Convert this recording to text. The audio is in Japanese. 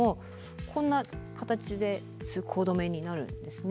こんな形で通行止めになるんですね。